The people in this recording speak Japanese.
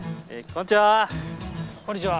こんにちは。